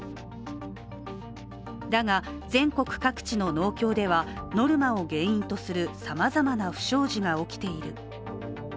だが、全国各地の農協では、ノルマを原因とするさまざまな不祥事が起きている。